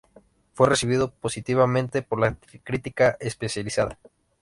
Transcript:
Fue recibido positivamente por la crítica especializada.